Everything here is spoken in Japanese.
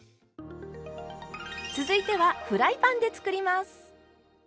続いてはフライパンで作ります。